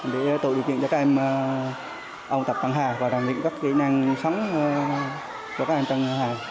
để tổ điều kiện cho các em ông tập tăng hà và làm những kỹ năng sống cho các em tăng hà